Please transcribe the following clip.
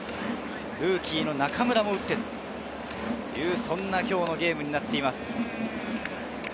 ルーキー・中村も打ってという今日のゲームになっています。